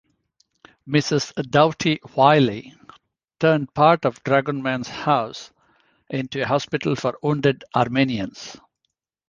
Mrs. Doughty-Wylie turned part of the dragoman's house into a hospital for wounded Armenians.